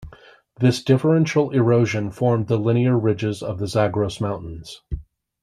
This differential erosion formed the linear ridges of the Zagros Mountains.